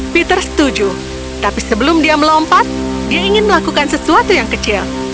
peter setuju tapi sebelum dia melompat dia ingin melakukan sesuatu yang kecil